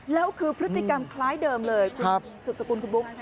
แล้วคือพฤติกรรมคล้ายเดิมเลยคุณสุดสกุลคุณบุ๊ค